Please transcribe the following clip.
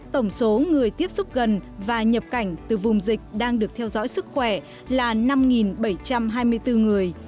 tổng số người tiếp xúc gần và nhập cảnh từ vùng dịch đang được theo dõi sức khỏe là năm bảy trăm hai mươi bốn người